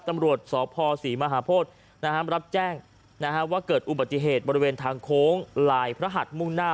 ตำรวจสพศรีมหาโพธิรับแจ้งว่าเกิดอุบัติเหตุบริเวณทางโค้งลายพระหัดมุ่งหน้า